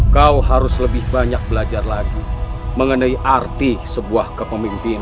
kau harus lebih banyak belajar lagi mengenai arti sebuah kepemimpinan